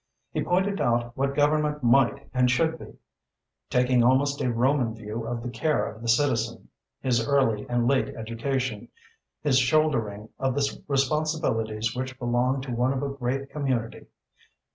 He pointed out what government might and should be, taking almost a Roman view of the care of the citizen, his early and late education, his shouldering of the responsibilities which belong to one of a great community.